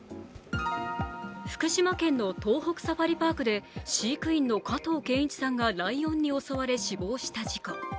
福島県の東北サファリパークで飼育員の加藤健一さんがライオンに襲われ、死亡した事故。